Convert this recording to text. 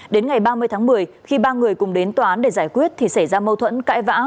đến ngày ba mươi tháng một mươi khi ba người cùng đến tòa án để giải quyết thì xảy ra mâu thuẫn cãi vã